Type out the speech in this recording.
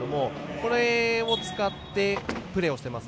これを使ってプレーをしています。